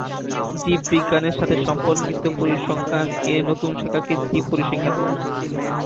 জীববিজ্ঞানের সাথে সম্পর্কিত পরিসংখ্যান এর নতুন শাখাকে জীব পরিসংখ্যান বলে।